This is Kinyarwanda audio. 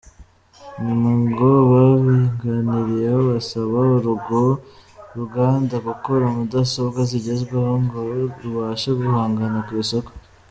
Nyuma ngo babiganiriyeho basaba urwo ruganda gukora mudasobwa zigezweho ngo rubashe guhangana ku isoko.